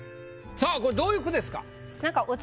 さぁこれどういう句ですか？